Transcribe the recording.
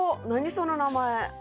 その名前」